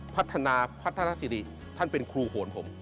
พัฒนาพัฒนาศิริท่านเป็นครูหลวงศิษฐ์ผม